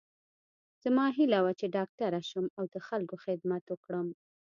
زما هیله وه چې ډاکټره شم او د خلکو خدمت وکړم